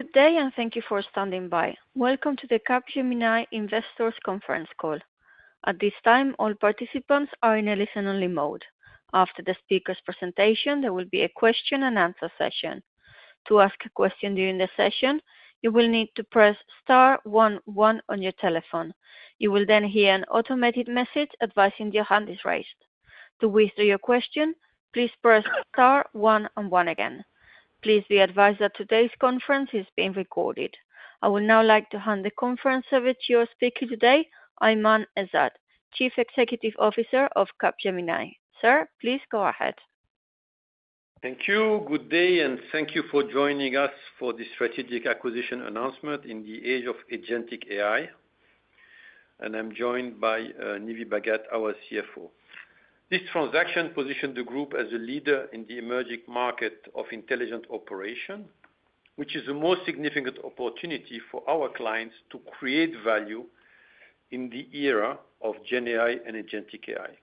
Good day, and thank you for standing by. Welcome to the Capgemini Investors Conference Call. At this time, all participants are in a listen-only mode. After the speaker's presentation, there will be a question-and-answer session. To ask a question during the session, you will need to press star one one on your telephone. You will then hear an automated message advising your hand is raised. To whisper your question, please press star one one again. Please be advised that today's conference is being recorded. I would now like to hand the conference over to your speaker today, Aiman Ezzat, Chief Executive Officer of Capgemini. Sir, please go ahead. Thank you. Good day, and thank you for joining us for the strategic acquisition announcement in the age of agentic AI. I am joined by Nive Bhagat, our CFO. This transaction positions the group as a leader in the emerging market of intelligent operation, which is the most significant opportunity for our clients to create value in the era of GenAI and Agentic AI.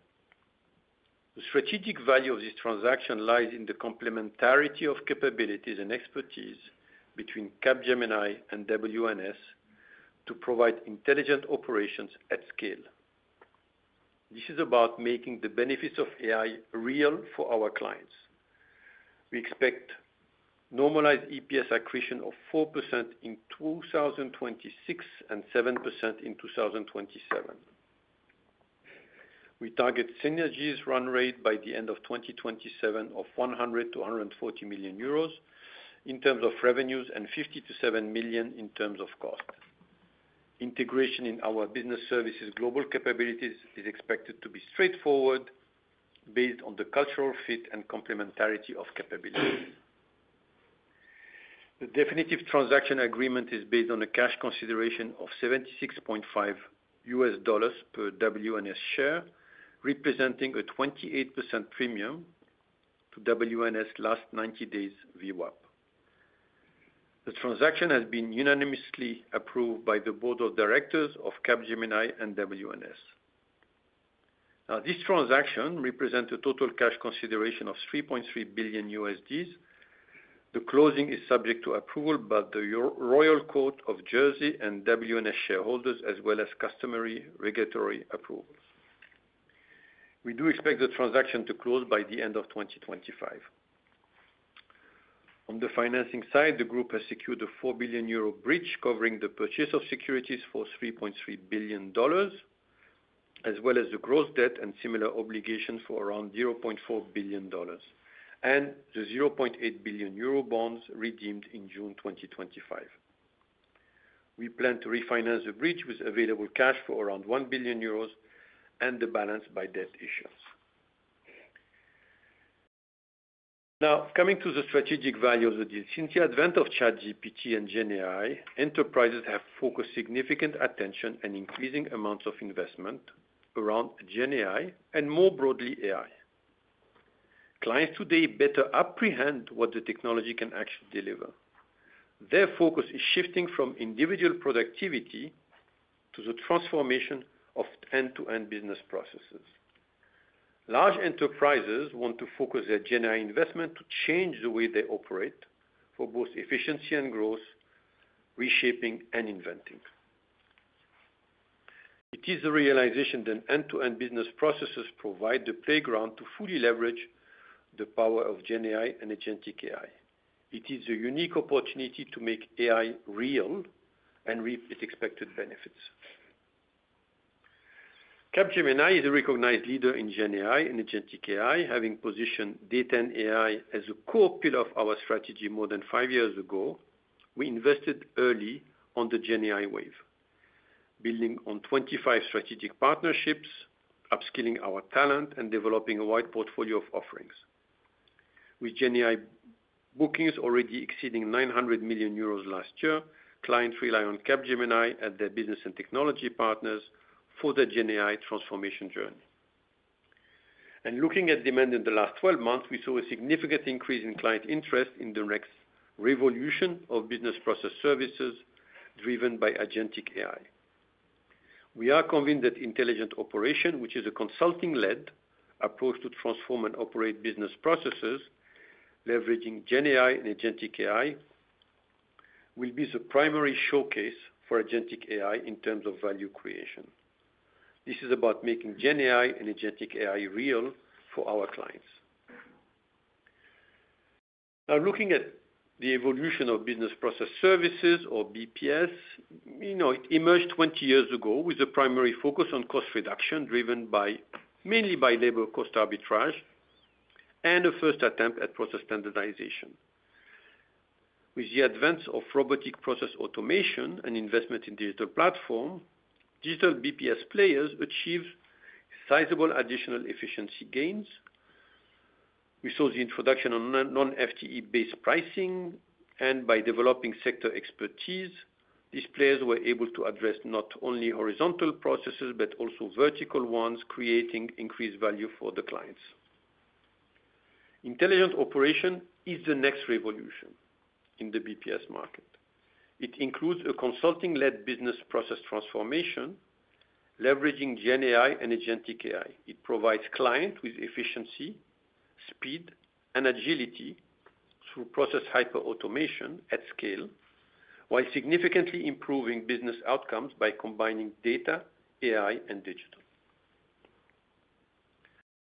The strategic value of this transaction lies in the complementarity of capabilities and expertise between Capgemini and WNS to provide intelligent operations at scale. This is about making the benefits of AI real for our clients. We expect normalized EPS accretion of 4% in 2026 and 7% in 2027. We target synergies run rate by the end of 2027 of 100 million-140 million euros in terms of revenues and 50 million-70 million in terms of cost. Integration in our business services' global capabilities is expected to be straightforward, based on the cultural fit and complementarity of capabilities. The definitive transaction agreement is based on a cash consideration of $76.5 per WNS share, representing a 28% premium to WNS last 90 days VWAP. The transaction has been unanimously approved by the board of directors of Capgemini and WNS. This transaction represents a total cash consideration of $3.3 billion. The closing is subject to approval by the Royal Court of Jersey and WNS shareholders, as well as customary regulatory approvals. We do expect the transaction to close by the end of 2025. On the financing side, the group has secured a 4 billion euro bridge covering the purchase of securities for $3.3 billion, as well as the gross debt and similar obligations for around $0.4 billion, and the 0.8 billion euro bonds redeemed in June 2025. We plan to refinance the bridge with available cash for around 1 billion euros and the balance by debt issuance. Now, coming to the strategic values of these, since the advent of ChatGPT and GenAI, enterprises have focused significant attention on increasing amounts of investment around GenAI and, more broadly, AI. Clients today better apprehend what the technology can actually deliver. Their focus is shifting from individual productivity to the transformation of end-to-end business processes. Large enterprises want to focus their GenAI investment to change the way they operate for both efficiency and growth. Reshaping, and inventing. It is a realization that end-to-end business processes provide the playground to fully leverage the power of GenAI and Agentic AI. It is a unique opportunity to make AI real and reap its expected benefits. Capgemini is a recognized leader in GenAI and Agentic AI, having positioned data and AI as a core pillar of our strategy more than five years ago. We invested early on the GenAI wave, building on 25 strategic partnerships, upskilling our talent, and developing a wide portfolio of offerings. With GenAI bookings already exceeding 900 million euros last year, clients rely on Capgemini and their business and technology partners for the GenAI transformation journey. Looking at demand in the last 12 months, we saw a significant increase in client interest in the next revolution of business process services driven by agentic AI. We are convinced that intelligent operation, which is a consulting-led approach to transform and operate business processes leveraging GenAI and agentic AI, will be the primary showcase for agentic AI in terms of value creation. This is about making GenAI and agentic AI real for our clients. Now, looking at the evolution of business process services, or BPS, it emerged 20 years ago with a primary focus on cost reduction driven mainly by labor cost arbitrage and a first attempt at process standardization. With the advance of robotic process automation and investment in digital platforms, digital BPS players achieved sizable additional efficiency gains. We saw the introduction of non-FTE-based pricing, and by developing sector expertise, these players were able to address not only horizontal processes but also vertical ones, creating increased value for the clients. Intelligent operation is the next revolution in the BPS market. It includes a consulting-led business process transformation leveraging GenAI and Agentic AI. It provides clients with efficiency, speed, and agility through process hyper-automation at scale, while significantly improving business outcomes by combining data, AI, and digital.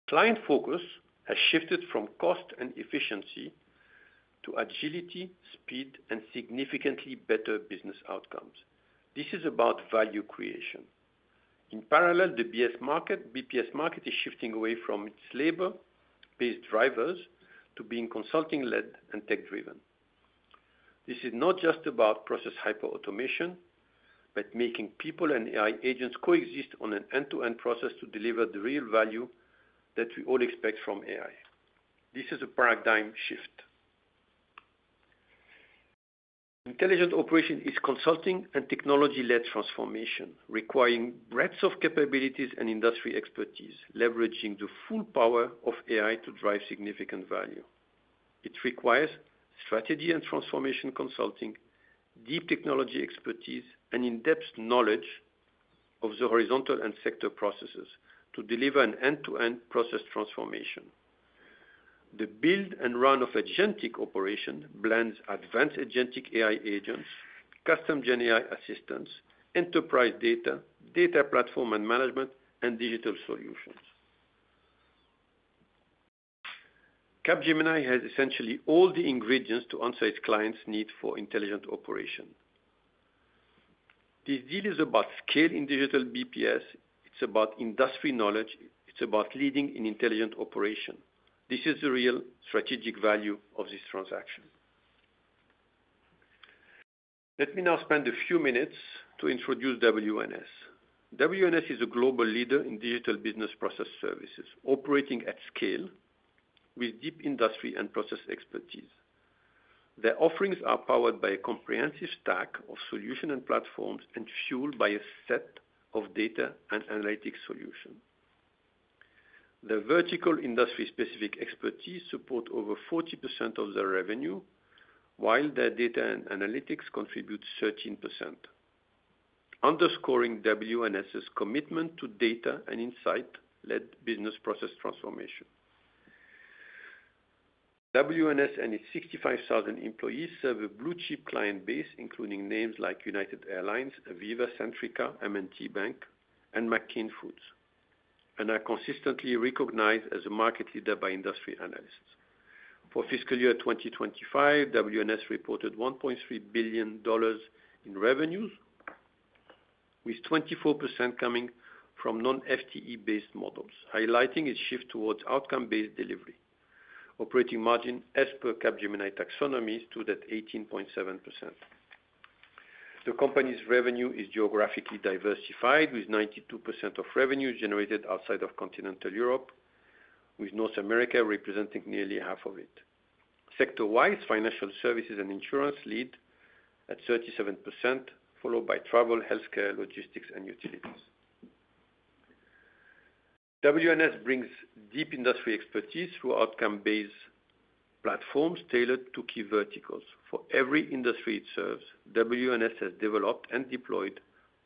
Client focus has shifted from cost and efficiency to agility, speed, and significantly better business outcomes. This is about value creation. In parallel, the BPS market is shifting away from its labor-based drivers to being consulting-led and tech-driven. This is not just about process hyper-automation, but making people and AI agents coexist on an end-to-end process to deliver the real value that we all expect from AI. This is a paradigm shift. Intelligent operation is consulting and technology-led transformation, requiring breadth of capabilities and industry expertise, leveraging the full power of AI to drive significant value. It requires strategy and transformation consulting, deep technology expertise, and in-depth knowledge of the horizontal and sector processes to deliver an end-to-end process transformation. The build and run of agentic operation blends advanced agentic AI agents, custom GenAI assistants, enterprise data, data platform and management, and digital solutions. Capgemini has essentially all the ingredients to answer its clients' need for intelligent operation. This deal is about scale in digital BPS. It's about industry knowledge. It's about leading in intelligent operation. This is the real strategic value of this transaction. Let me now spend a few minutes to introduce WNS. WNS is a global leader in digital business process services, operating at scale with deep industry and process expertise. Their offerings are powered by a comprehensive stack of solutions and platforms and fueled by a set of data and analytics solutions. Their vertical industry-specific expertise supports over 40% of their revenue, while their data and analytics contribute 13%. Underscoring WNS's commitment to data and insight-led business process transformation. WNS and its 65,000 employees serve a blue-chip client base, including names like United Airlines, Aviva, Centrica, M&T Bank, and McCain Foods, and are consistently recognized as a market leader by industry analysts. For fiscal year 2025, WNS reported $1.3 billion in revenues, with 24% coming from non-FTE-based models, highlighting its shift towards outcome-based delivery. Operating margin as per Capgemini taxonomy stood at 18.7%. The company's revenue is geographically diversified, with 92% of revenues generated outside of Continental Europe, with North America representing nearly half of it. Sector-wise, financial services and insurance lead at 37%, followed by travel, healthcare, logistics, and utilities. WNS brings deep industry expertise through outcome-based platforms tailored to key verticals. For every industry it serves, WNS has developed and deployed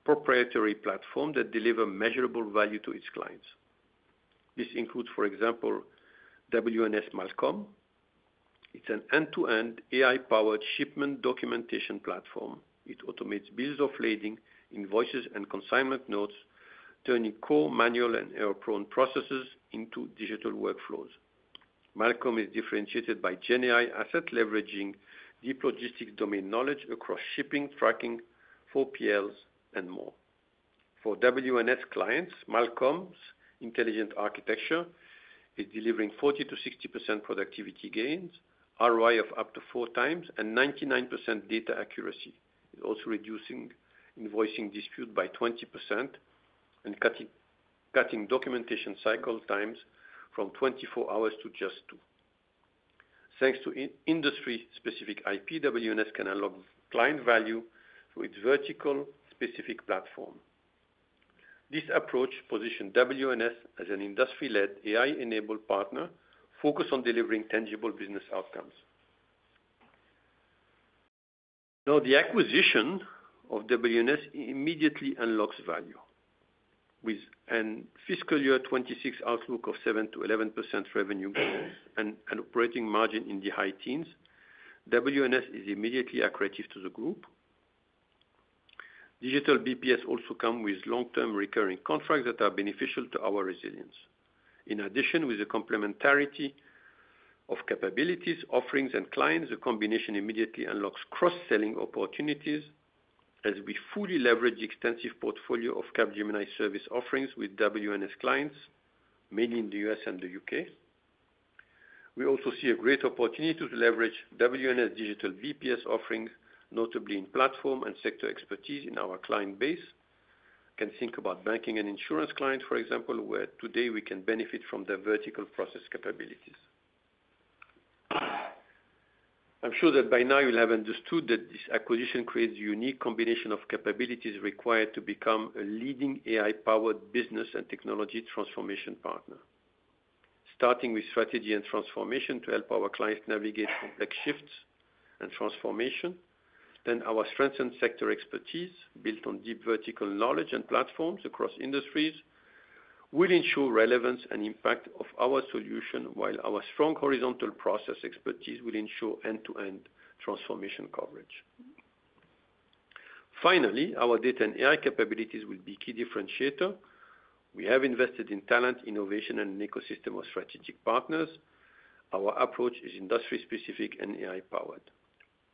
proprietary platforms that deliver measurable value to its clients. This includes, for example, WNS Malkom. It's an end-to-end AI-powered shipment documentation platform. It automates bills of lading, invoices, and consignment notes, turning core manual and error-prone processes into digital workflows. Malkom is differentiated by GenAI asset leveraging deep logistics domain knowledge across shipping, tracking, 4PLs, and more. For WNS clients, Malkom's intelligent architecture is delivering 40%-60% productivity gains, ROI of up to four times, and 99% data accuracy. It is also reducing invoicing disputes by 20% and cutting documentation cycle times from 24 hours to just two. Thanks to industry-specific IP, WNS can unlock client value through its vertical-specific platform. This approach positions WNS as an industry-led, AI-enabled partner focused on delivering tangible business outcomes. Now, the acquisition of WNS immediately unlocks value. With a fiscal year 2026 outlook of 7%-11% revenue and an operating margin in the high teens, WNS is immediately attractive to the group. Digital BPS also comes with long-term recurring contracts that are beneficial to our resilience. In addition, with the complementarity of capabilities, offerings, and clients, the combination immediately unlocks cross-selling opportunities as we fully leverage the extensive portfolio of Capgemini service offerings with WNS clients, mainly in the U.S. and the U.K. We also see a great opportunity to leverage WNS digital BPS offerings, notably in platform and sector expertise in our client base. You can think about banking and insurance clients, for example, where today we can benefit from their vertical process capabilities. I'm sure that by now you'll have understood that this acquisition creates a unique combination of capabilities required to become a leading AI-powered business and technology transformation partner. Starting with strategy and transformation to help our clients navigate complex shifts and transformation, then our strengthened sector expertise built on deep vertical knowledge and platforms across industries. Will ensure relevance and impact of our solution, while our strong horizontal process expertise will ensure end-to-end transformation coverage. Finally, our data and AI capabilities will be a key differentiator. We have invested in talent, innovation, and an ecosystem of strategic partners. Our approach is industry-specific and AI-powered.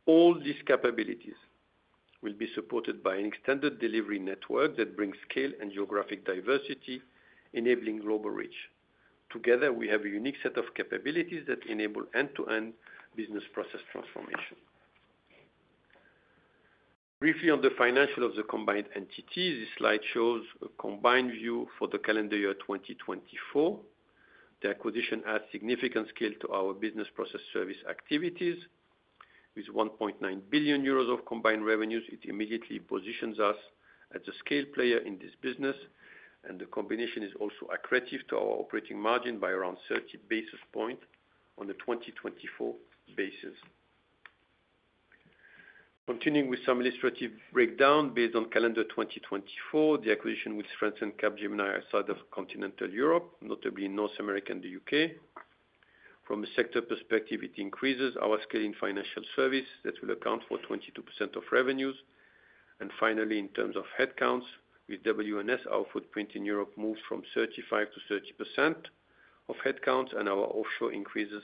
All these capabilities will be supported by an extended delivery network that brings scale and geographic diversity, enabling global reach. Together, we have a unique set of capabilities that enable end-to-end business process transformation. Briefly on the financials of the combined entities, this slide shows a combined view for the calendar year 2024. The acquisition adds significant scale to our business process service activities. With 1.9 billion euros of combined revenues, it immediately positions us as a scale player in this business, and the combination is also attractive to our operating margin by around 30 basis points on a 2024 basis. Continuing with some illustrative breakdown, based on calendar 2024, the acquisition will strengthen Capgemini outside of Continental Europe, notably North America and the U.K. From a sector perspective, it increases our scale in financial services that will account for 22% of revenues. Finally, in terms of headcounts, with WNS, our footprint in Europe moves from 35% to 30% of headcounts, and our offshore increases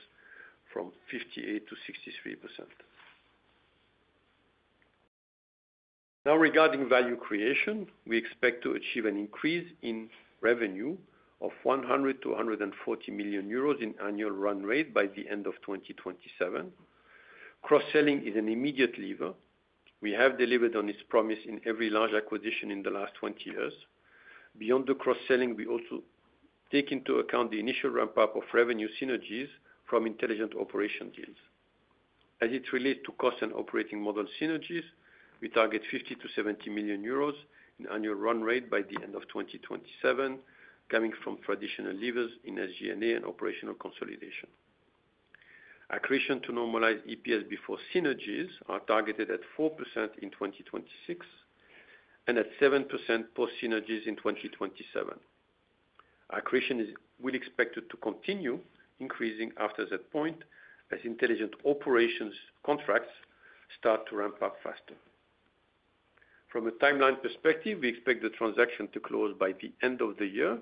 from 58% to 63%. Now, regarding value creation, we expect to achieve an increase in revenue of 100 million-140 million euros in annual run rate by the end of 2027. Cross-selling is an immediate lever. We have delivered on this promise in every large acquisition in the last 20 years. Beyond the cross-selling, we also take into account the initial ramp-up of revenue synergies from intelligent operation deals. As it relates to cost and operating model synergies, we target 50 million-70 million euros in annual run rate by the end of 2027, coming from traditional levers in SG&A and operational consolidation. Accretion to normalized EPS before synergies are targeted at 4% in 2026. At 7% post-synergies in 2027. Accretion is expected to continue increasing after that point as intelligent operations contracts start to ramp up faster. From a timeline perspective, we expect the transaction to close by the end of the year.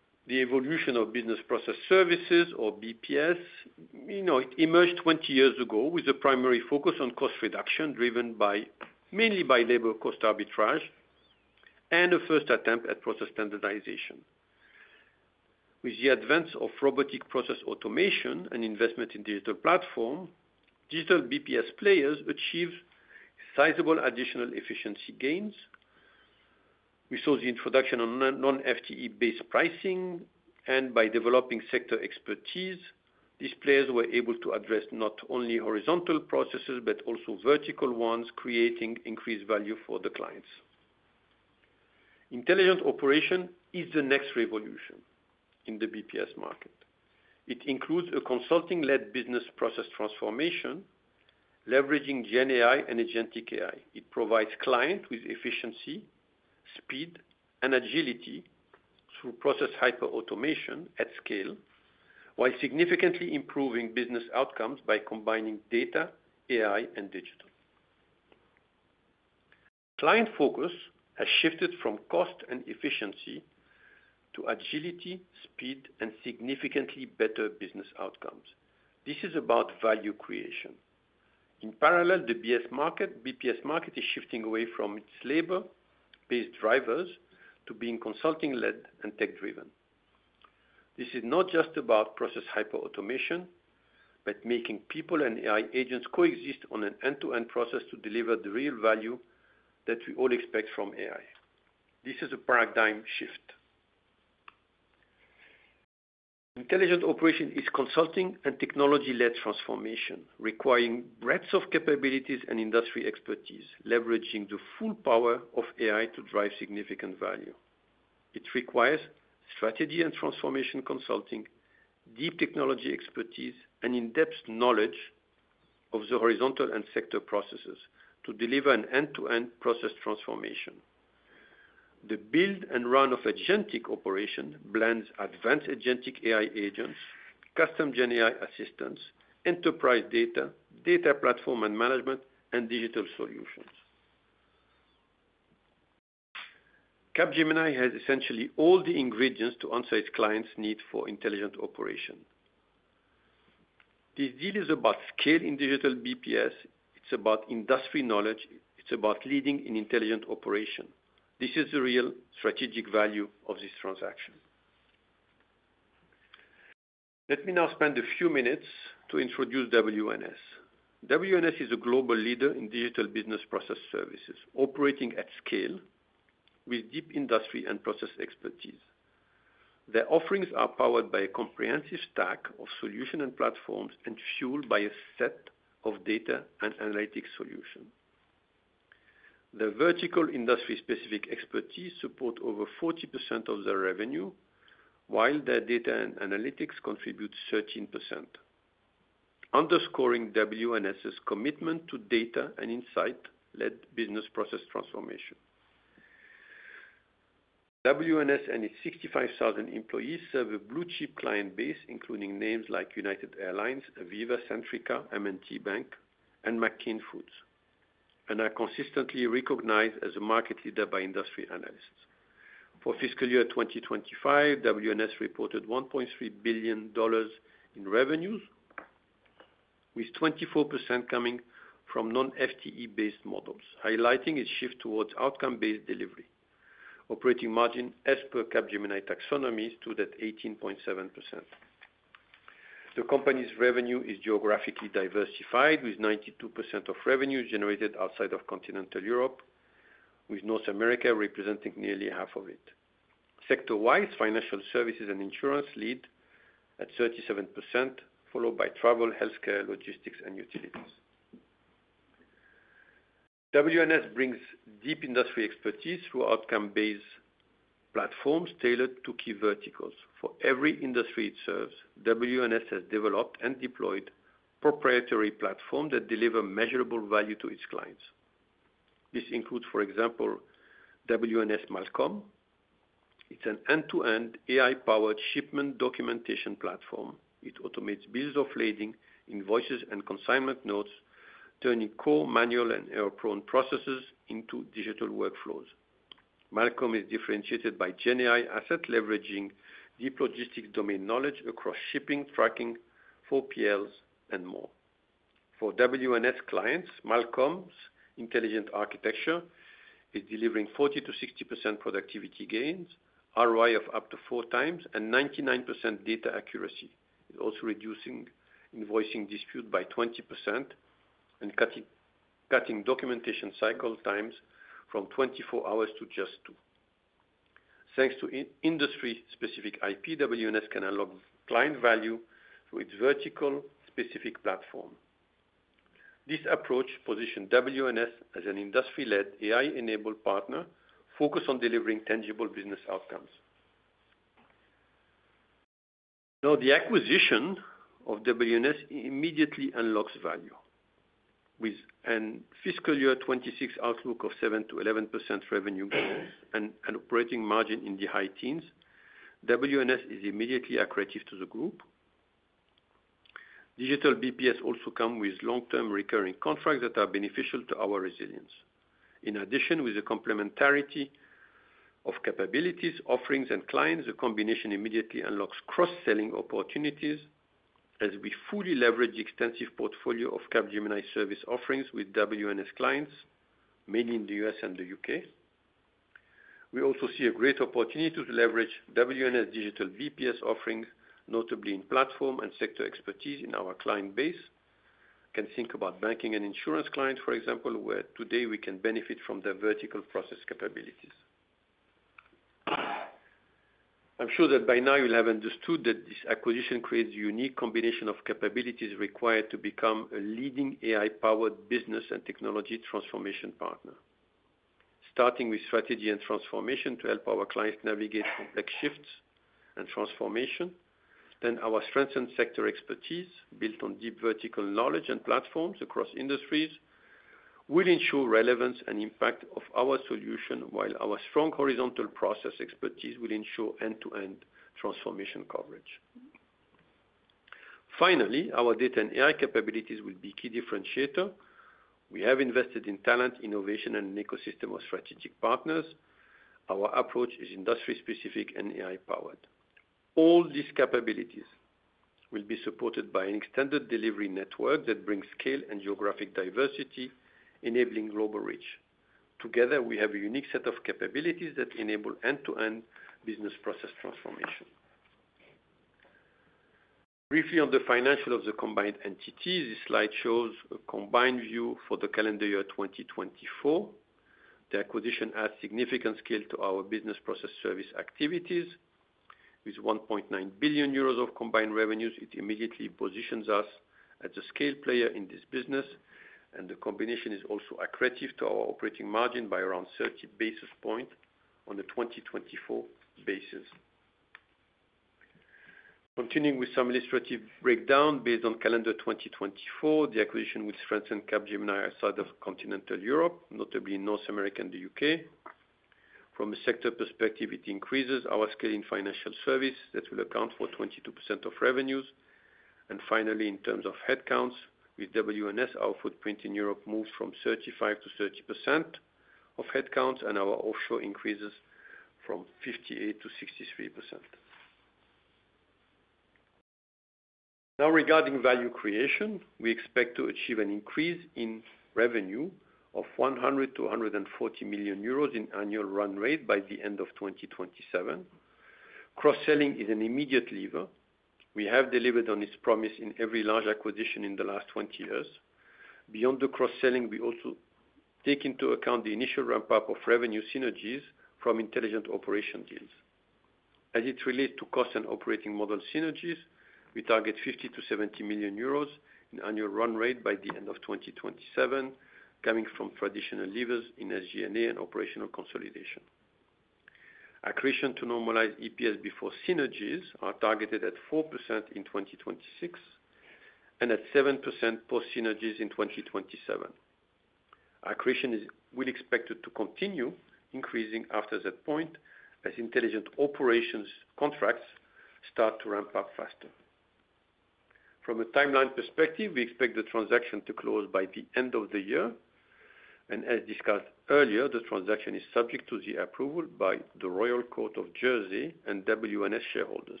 As discussed earlier, the transaction is subject to the approval by the Royal Court of Jersey and WNS shareholders.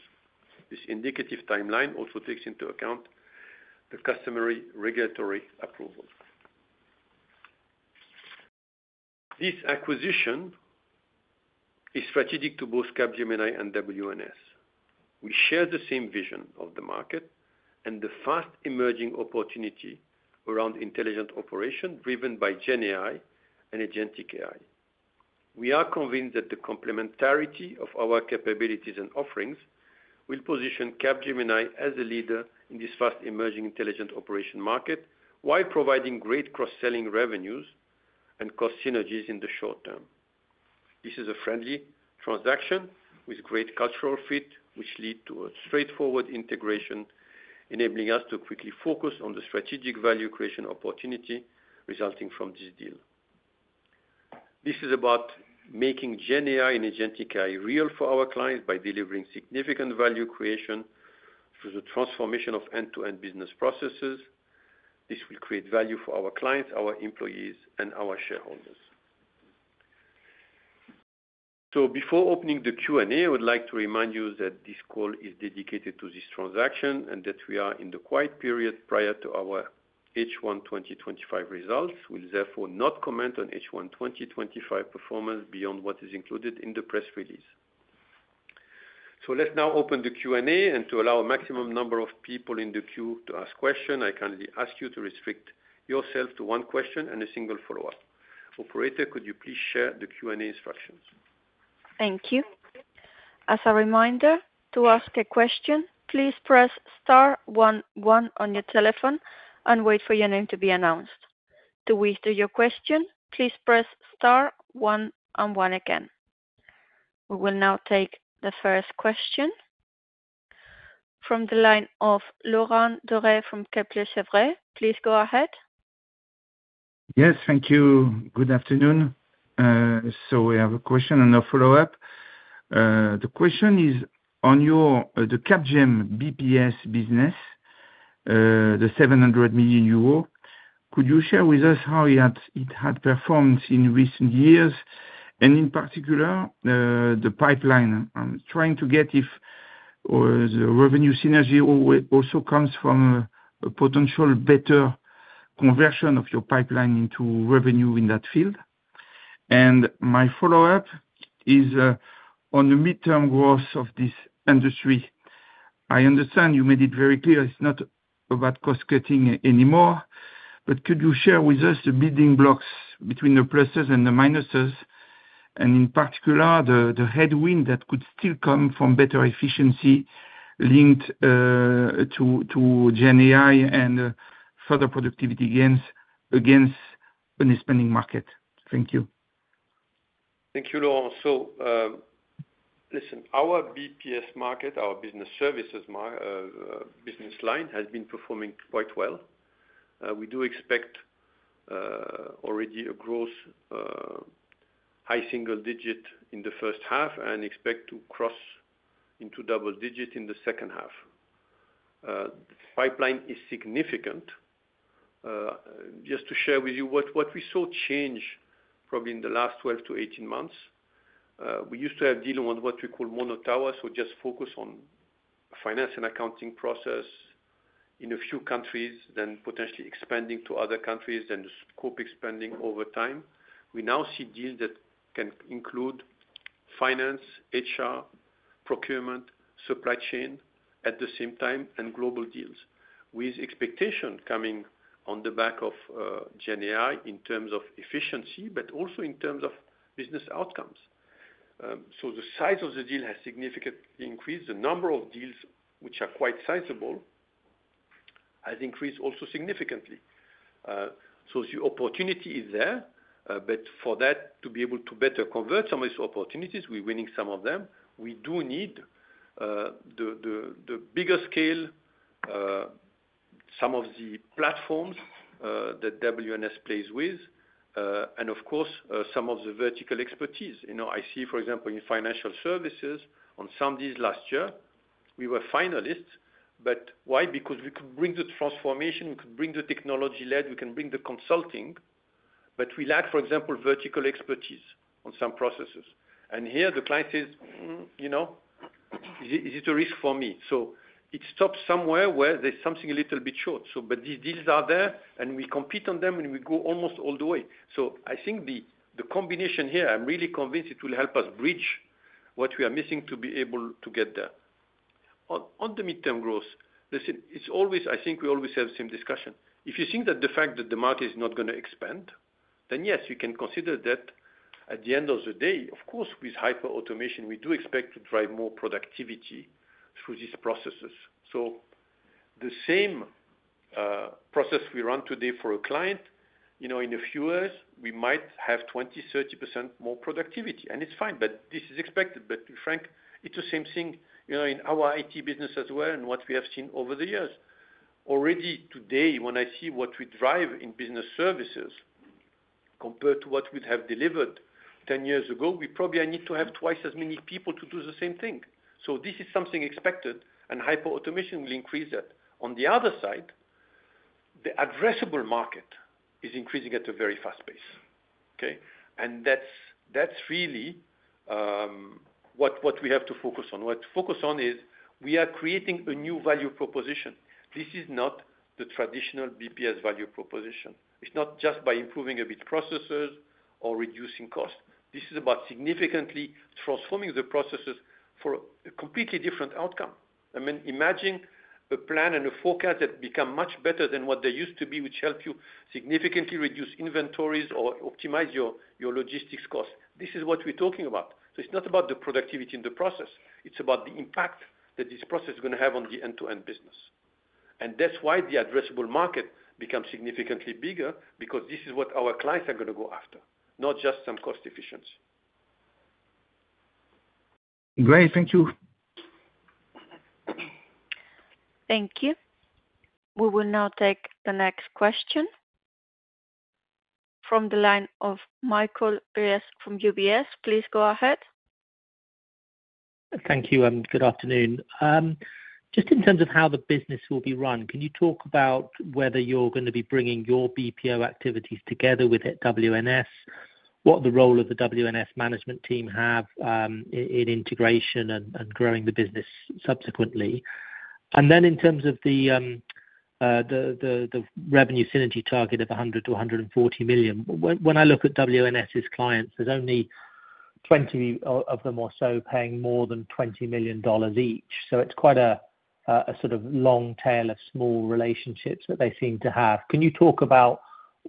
This indicative timeline also takes into account the customary regulatory approval. This acquisition is strategic to both Capgemini and WNS. We share the same vision of the market and the fast-emerging opportunity around intelligent operation driven by GenAI and Agentic AI. We are convinced that the complementarity of our capabilities and offerings will position Capgemini as a leader in this fast-emerging intelligent operation market while providing great cross-selling revenues and cost synergies in the short term. This is a friendly transaction with great cultural fit, which leads to a straightforward integration, enabling us to quickly focus on the strategic value creation opportunity resulting from this deal. This is about making GenAI and Agentic AI real for our clients by delivering significant value creation through the transformation of end-to-end business processes. This will create value for our clients, our employees, and our shareholders. Before opening the Q&A, I would like to remind you that this call is dedicated to this transaction and that we are in the quiet period prior to our H1 2025 results. We'll therefore not comment on H1 2025 performance beyond what is included in the press release. Let's now open the Q&A. To allow a maximum number of people in the queue to ask questions, I kindly ask you to restrict yourself to one question and a single follow-up. Operator, could you please share the Q&A instructions? Thank you. As a reminder, to ask a question, please press star one one on your telephone and wait for your name to be announced. To withdraw your question, please press star one one again. We will now take the first question. From the line of Laurent Daure from Kepler Cheuvreux, please go ahead. Yes, thank you. Good afternoon. We have a question and a follow-up. The question is on the Capgemini BPS business. The 700 million euro. Could you share with us how it had performed in recent years? And in particular, the pipeline. I'm trying to get if the revenue synergy also comes from a potential better conversion of your pipeline into revenue in that field. My follow-up is on the midterm growth of this industry. I understand you made it very clear it's not about cost-cutting anymore, but could you share with us the building blocks between the pluses and the minuses, and in particular the headwind that could still come from better efficiency linked to GenAI and further productivity gains against an e-spending market? Thank you. Thank you, Laurent. Listen, our BPS market, our business services line has been performing quite well. We do expect already a gross high single digit in the first half and expect to cross into double digit in the second half. The pipeline is significant. Just to share with you what we saw change probably in the last 12 to 18 months. We used to have deals on what we call mono tower, so just focus on finance and accounting process in a few countries, then potentially expanding to other countries, then scope expanding over time. We now see deals that can include finance, HR, procurement, supply chain at the same time, and global deals, with expectations coming on the back of GenAI in terms of efficiency, but also in terms of business outcomes. The size of the deal has significantly increased. The number of deals, which are quite sizable, has increased also significantly. The opportunity is there, but for that, to be able to better convert some of these opportunities, we're winning some of them. We do need the bigger scale, some of the platforms that WNS plays with, and of course, some of the vertical expertise. I see, for example, in financial services, on some deals last year, we were finalists. Why? Because we could bring the transformation, we could bring the technology-led, we can bring the consulting, but we lack, for example, vertical expertise on some processes. Here, the client says, "Is it a risk for me?" It stops somewhere where there's something a little bit short. These deals are there, and we compete on them, and we go almost all the way. I think the combination here, I'm really convinced it will help us bridge what we are missing to be able to get there. On the midterm growth, I think we always have the same discussion. If you think that the fact that the market is not going to expand, then yes, you can consider that at the end of the day, of course, with hyper-automation, we do expect to drive more productivity through these processes. The same process we run today for a client, in a few years, we might have 20%-30% more productivity. It's fine, but this is expected. To be frank, it's the same thing in our IT business as well and what we have seen over the years. Already today, when I see what we drive in business services compared to what we have delivered 10 years ago, we probably need to have twice as many people to do the same thing. This is something expected, and hyper-automation will increase that. On the other side, the addressable market is increasing at a very fast pace. Okay? That's really what we have to focus on. What to focus on is we are creating a new value proposition. This is not the traditional BPS value proposition. It's not just by improving a bit processes or reducing cost. This is about significantly transforming the processes for a completely different outcome. I mean, imagine a plan and a forecast that become much better than what they used to be, which help you significantly reduce inventories or optimize your logistics costs. This is what we're talking about. It's not about the productivity in the process. It's about the impact that this process is going to have on the end-to-end business. That's why the addressable market becomes significantly bigger, because this is what our clients are going to go after, not just some cost efficiency. Great. Thank you. Thank you. We will now take the next question. From the line of Michael Gray from UBS. Please go ahead. Thank you. Good afternoon. Just in terms of how the business will be run, can you talk about whether you're going to be bringing your BPO activities together with WNS?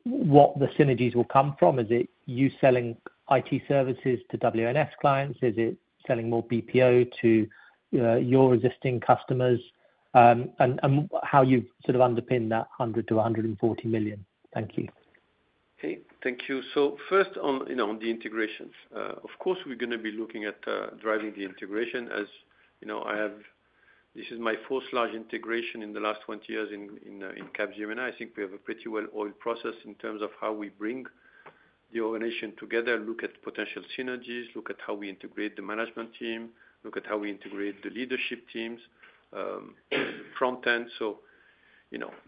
what the synergies will come from? Is it you selling IT services to WNS clients? Is it selling more BPO to your existing customers? And how you have sort of underpinned that $100 million-$140 million? Thank you. Okay. Thank you. First on the integration. Of course, we are going to be looking at driving the integration. As I have, this is my fourth large integration in the last 20 years in Capgemini. I think we have a pretty well-oiled process in terms of how we bring the organization together, look at potential synergies, look at how we integrate the management team, look at how we integrate the leadership teams. Front end.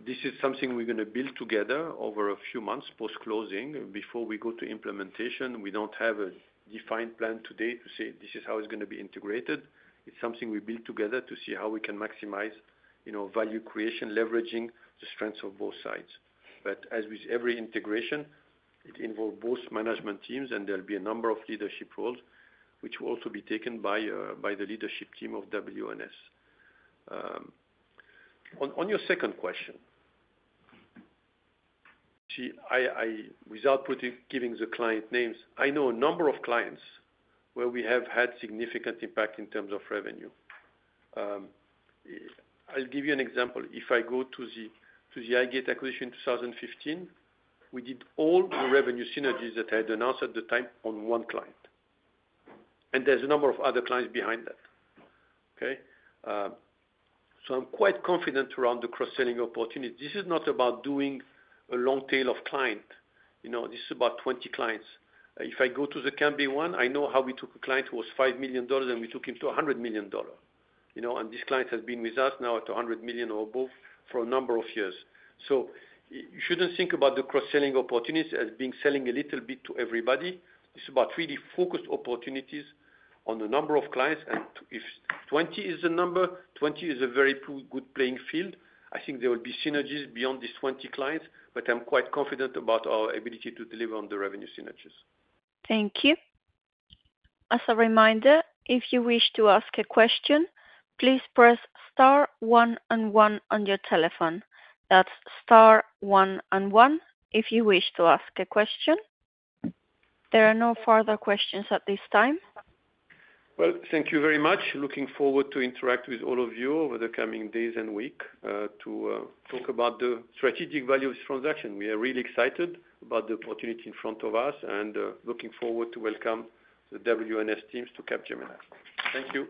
This is something we are going to build together over a few months post-closing. Before we go to implementation, we don't have a defined plan today to say, "This is how it's going to be integrated." It's something we build together to see how we can maximize value creation, leveraging the strengths of both sides. As with every integration, it involves both management teams, and there'll be a number of leadership roles, which will also be taken by the leadership team of WNS. On your second question. See, without giving the client names, I know a number of clients where we have had significant impact in terms of revenue. I'll give you an example. If I go to the iGate acquisition in 2015, we did all the revenue synergies that I had announced at the time on one client. There's a number of other clients behind that. Okay? I'm quite confident around the cross-selling opportunity. This is not about doing a long tail of client. This is about 20 clients. If I go to the Campbell one, I know how we took a client who was $5 million, and we took him to $100 million. And this client has been with us now at $100 million or above for a number of years. You shouldn't think about the cross-selling opportunities as being selling a little bit to everybody. It's about really focused opportunities on a number of clients. If 20 is the number, 20 is a very good playing field. I think there will be synergies beyond these 20 clients, but I'm quite confident about our ability to deliver on the revenue synergies. Thank you. As a reminder, if you wish to ask a question, please press star one one on your telephone. That's star one one if you wish to ask a question. There are no further questions at this time. Thank you very much. Looking forward to interact with all of you over the coming days and weeks to talk about the strategic value of this transaction. We are really excited about the opportunity in front of us and looking forward to welcome the WNS teams to Capgemini. Thank you.